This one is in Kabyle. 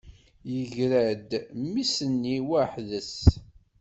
Yegra-d mmi-s-nni waḥed-s.